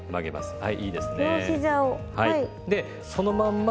はい。